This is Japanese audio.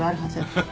ハハハ。